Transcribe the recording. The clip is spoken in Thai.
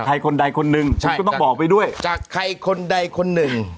ใครคนใดคนหนึ่งฉันก็ต้องบอกไปด้วยจากใครคนใดคนหนึ่ง